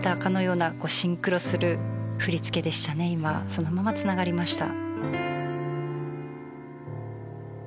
そのまま繋がりました。